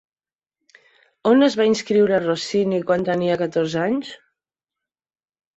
On es va inscriure Rossini quan tenia catorze anys?